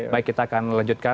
baik kita akan melanjutkan